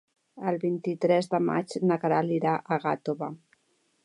El vint-i-tres de maig na Queralt irà a Gàtova.